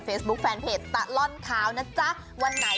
เรื่องของโชคลาบนะคะ